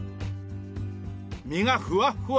身がふわっふわ！